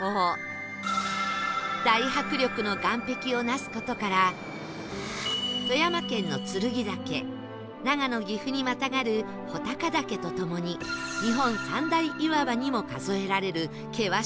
大迫力の岸壁をなす事から富山県の剱岳長野岐阜にまたがる穂高岳とともに日本三大岩場にも数えられる険しい山です